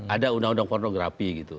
ada undang undang pornografi gitu